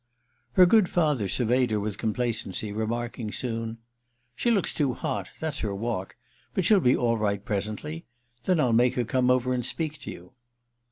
Her good father surveyed her with complacency, remarking soon: "She looks too hot—that's her walk. But she'll be all right presently. Then I'll make her come over and speak to you."